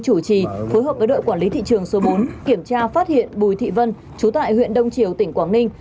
chủ trì phối hợp với đội quản lý thị trường số bốn kiểm tra phát hiện bùi thị vân chú tại huyện đông triều tỉnh quảng ninh